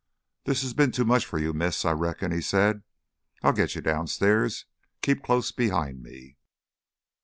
"This has been too much for you, miss, I reckon," he said. "I'll get you downstairs. Keep close behind me."